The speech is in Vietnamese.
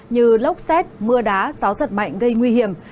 như lốc xét mưa đá gió giật mạnh gây nguy hiểm